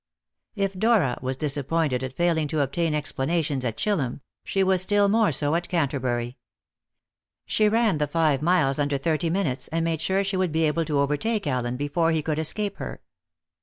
If Dora was disappointed at failing to obtain explanations at Chillum, she was still more so at Canterbury. She ran the five miles under thirty minutes, and made sure she would be able to overtake Allen before he could escape her.